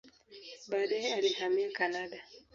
Baadaye alihamia Kanada.